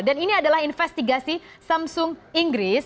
dan ini adalah investigasi samsung inggris